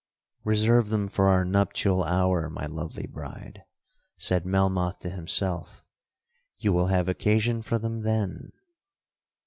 'Reserve them for our nuptial hour, my lovely bride,' said Melmoth to himself; 'you will have occasion for them then.'